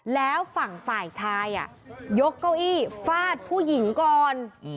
แล้วฝั่งฝ่ายชายยกเก้าอี้ฟาดผู้หญิงก่อน